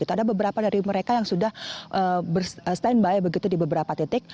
ada beberapa dari mereka yang sudah standby begitu di beberapa titik